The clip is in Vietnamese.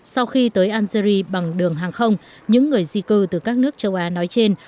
sau khi tới algeria bằng đường hàng không những người di cư từ các nước châu á nói trên